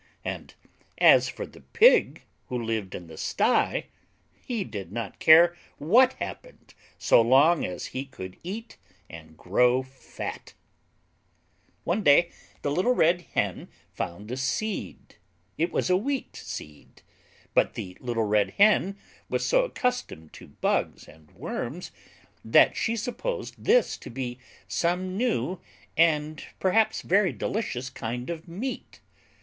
And as for the pig who lived in the sty he did not care what happened so long as he could eat and grow fat. One day the Little Red Hen found a Seed. It was a Wheat Seed, but the Little Red Hen was so accustomed to bugs and worms that she supposed this to be some new and perhaps very delicious kind of meat.